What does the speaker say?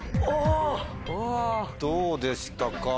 どうでしたか？